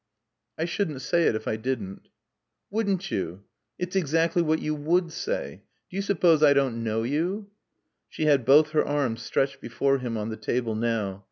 "I shouldn't say it if I didn't." "Wouldn't you! It's exactly what you would say. Do you suppose I don't know you?" She had both her arms stretched before him on the table now.